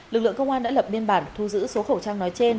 lực lượng công an đã lập biên bản thu giữ số khẩu trang nói trên